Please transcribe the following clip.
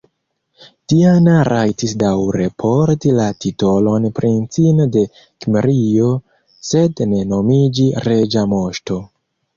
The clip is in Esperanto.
Diana rajtis daŭre porti la titolon "Princino de Kimrio", sed ne nomiĝi "reĝa moŝto".